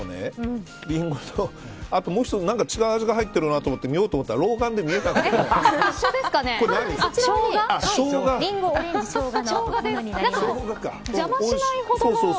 オレンジとリンゴとあともう一つ違う味が入ってるなと思って見ようと思ったら老眼で見えない。